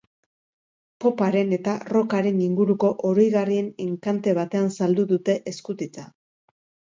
Poparen eta rockaren inguruko oroigarrien enkante batean saldu dute eskutitza.